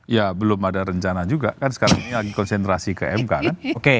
ya belum ada rencana juga kan sekarang ini lagi konsentrasi ke mk kan